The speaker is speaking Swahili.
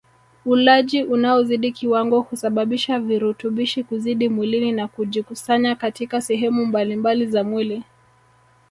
Ulaji unaozidi kiwango husababisha virutubishi kuzidi mwilini na kujikusanya katika sehemu mbalimbali za mwili